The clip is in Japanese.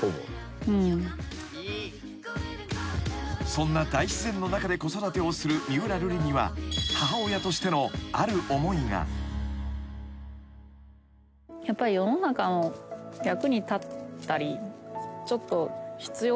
［そんな大自然の中で子育てをする三浦瑠麗には母親としてのある思いが］いやいやいやいや。